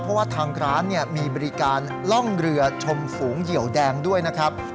เพราะว่าทางร้านมีบริการล่องเรือชมฝูงเหยียวแดงด้วยนะครับ